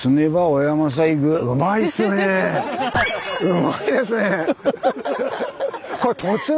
うまいですね！